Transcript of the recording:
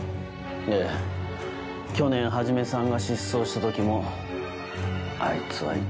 ええ去年始さんが失踪した時もあいつはいた。